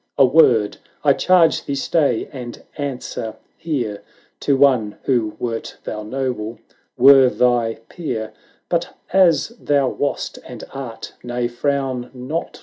"A word !— I charge thee stay, and answer here To one, who, wert thou noble, were thy peer, 450 But as thou wast and art — nay, frown not.